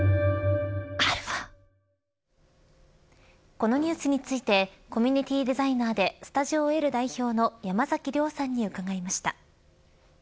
このニュースについてコミュニティーデザイナーでｓｔｕｄｉｏ‐Ｌ代表の山崎亮さんに伺いました。